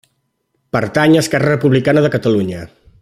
Pertany a Esquerra Republicana de Catalunya.